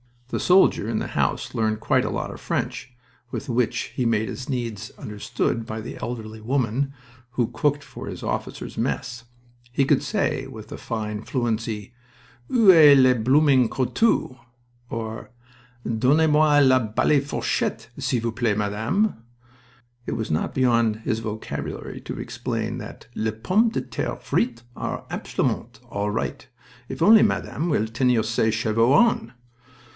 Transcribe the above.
The soldier in the house learned quite a lot of French, with which he made his needs understood by the elderly woman who cooked for his officers' mess. He could say, with a fine fluency, "Ou est le blooming couteau?" or "Donnez moi le bally fourchette, s'il vous plait, madame." It was not beyond his vocabulary to explain that "Les pommes de terre frites are absolument all right if only madame will tenir ses cheveux on."